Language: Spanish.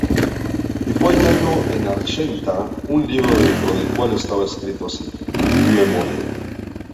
Y fué hallado en Achmetta, un libro, dentro del cual estaba escrito así: Memoria: